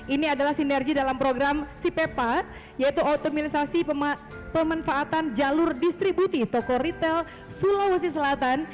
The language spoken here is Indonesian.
ini adalah sinergi dalam program sipepa yaitu oltimalisasi pemanfaatan jalur distribusi toko retail sulawesi selatan